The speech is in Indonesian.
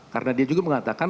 karena dia juga mengatakan